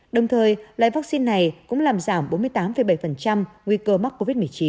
đồng thời loại vaccine này cũng làm giảm bốn mươi tám bảy nguy cơ mắc covid một mươi chín